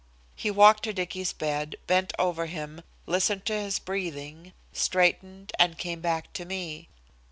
He walked to Dicky's bed, bent over him, listened to his breathing, straightened, and came back to me.